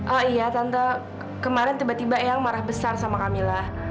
oh iya tante kemarin tiba tiba eyang marah besar sama kami lah